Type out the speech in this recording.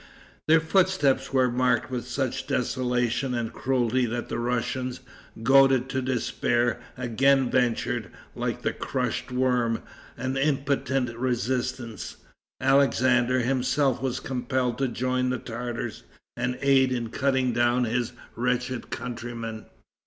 Their footsteps were marked with such desolation and cruelty that the Russians, goaded to despair, again ventured, like the crushed worm, an impotent resistance. Alexander himself was compelled to join the Tartars, and aid in cutting down his wretched countrymen.